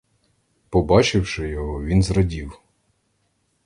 Побачивши його, він зрадів.